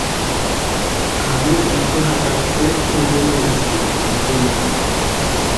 Kʼamukwa itsï jatakwa sesi pʼuntsumerasïnti itsïni.